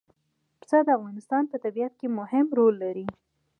پسه د افغانستان په طبیعت کې مهم رول لري.